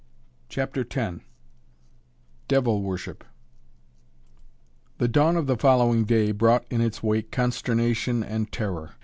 CHAPTER X DEVIL WORSHIP The dawn of the following day brought in its wake consternation and terror.